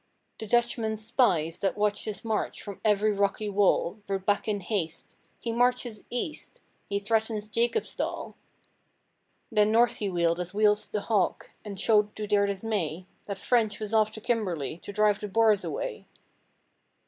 The Dutchman's spies that watched his march from every rocky wall Rode back in haste: 'He marches east! He threatens Jacobsdal!' Then north he wheeled as wheels the hawk and showed to their dismay, That French was off to Kimberley to drive the Boers away.